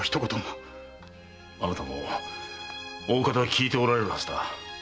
あなたも大方は聞いておられるはずだ。